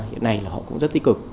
hiện nay là họ cũng rất tích cực